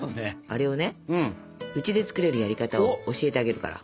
あれをねうちで作れるやり方を教えてあげるから。